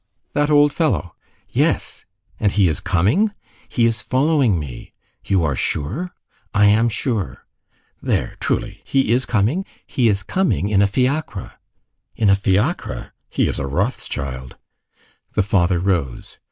"That old fellow?" "Yes." "And he is coming?" "He is following me." "You are sure?" "I am sure." "There, truly, he is coming?" "He is coming in a fiacre." "In a fiacre. He is Rothschild." The father rose.